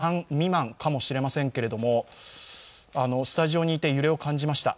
東京・赤坂、ここは３未満かもしれませんけどスタジオにいて揺れを感じました。